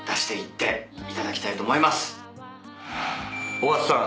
尾形さん